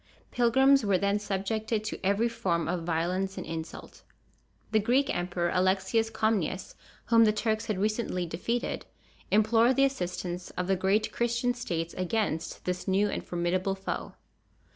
Pilgrims were then subjected to every form of violence and insult. The Greek emperor Alexius Comnenus, whom the Turks had recently defeated, implored the assistance of the great Christian states against this new and formidable foe.